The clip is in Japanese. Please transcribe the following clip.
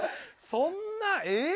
そんなえっ？